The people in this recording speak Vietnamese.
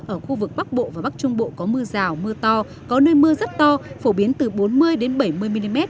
ở khu vực bắc bộ và bắc trung bộ có mưa rào mưa to có nơi mưa rất to phổ biến từ bốn mươi bảy mươi mm